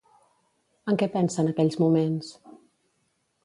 En què pensa en aquells moments?